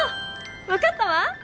わかったわ！